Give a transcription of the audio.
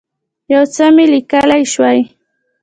یو څه مي لیکلای شوای.